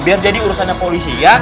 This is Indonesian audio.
biar jadi urusannya polisi ya